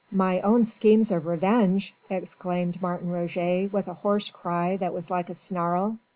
"My own schemes of revenge!" exclaimed Martin Roget with a hoarse cry that was like a snarl....